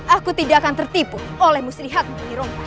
aku tidak akan tertipu oleh muslihatmu nyeron pak